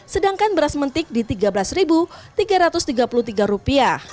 sedangkan beras mentik di rp tiga belas tiga ratus tiga puluh tiga